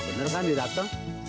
nah bener kan di dateng